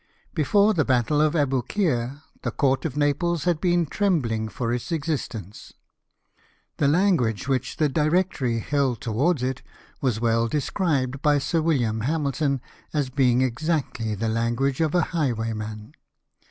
Before the battle of Aboukir the Court of Naples had been trembling for its existence. The ARRIVAL AT NAPLES, 159 language which the Directory held towards it was well described by Sir William Hamilton as being exactly the language of a highwayman.